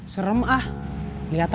serem ah liat tato nya